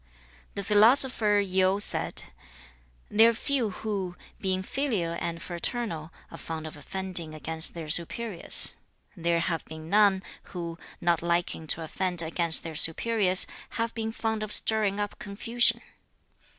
The philosopher Yu said, 'They are few who, being filial and fraternal, are fond of offending against their superiors. There have been none, who, not liking to offend against their superiors, have been fond of stirring up confusion.